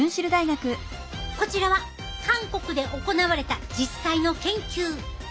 こちらは韓国で行われた実際の研究。